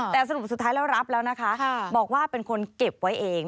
แต่สรุปสุดท้ายแล้วรับแล้วนะคะบอกว่าเป็นคนเก็บไว้เอง